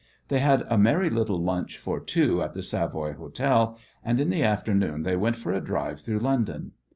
They had a merry little lunch for two at the Savoy Hotel, and in the afternoon they went for a drive through London.